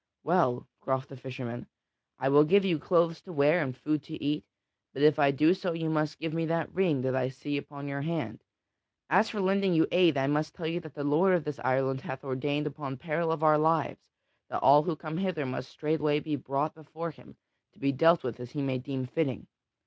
"Well," quoth the fisherman, "I will give you clothes to wear and food to eat, but if I do so you must give me that ring that I see upon your hand. As for lending you aid, I must tell you that the lord of this island hath ordained upon peril of our lives that all who come hither must straightway be brought before him to be dealt with as he may deem fitting.